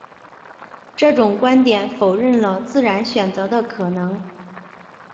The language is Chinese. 这种观点否认了自然选择的可能。